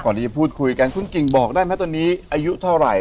ที่จะพูดคุยกันคุณกิ่งบอกได้ไหมตอนนี้อายุเท่าไหร่